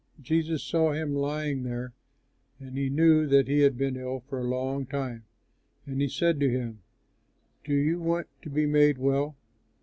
Jesus saw him lying there, and knew that he had been ill for a long time; and he said to him, "Do you want to be made well?"